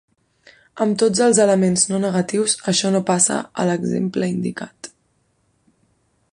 Amb tots els elements no negatius, això no passa a l'exemple indicat.